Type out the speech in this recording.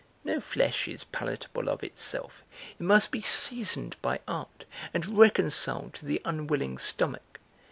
No flesh is palatable of itself, it must be seasoned by art and reconciled to the unwilling stomach.